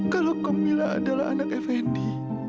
kalau gemila adalah anak effendi